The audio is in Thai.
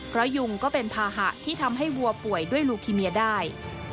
เพราะยุงก็เป็นภาหะที่ทำให้วัวป่วยด้วยลูคิเมียได้